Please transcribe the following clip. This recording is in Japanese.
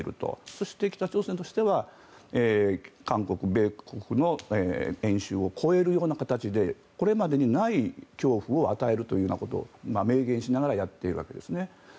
そして、北朝鮮としては韓国、米国の演習を超えるような形でこれまでにない恐怖を与えるというようなことを明言しながらやっているわけですね。